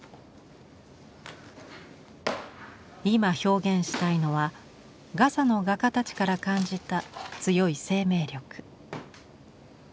今表現したいのはガザの画家たちから感じた強い生命力。